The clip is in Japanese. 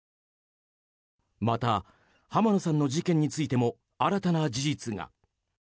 また、浜野さんの事件についても新たな事実が。